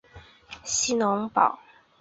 希农堡人口变化图示